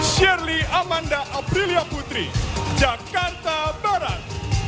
shirley amanda aprilia putri jakarta barat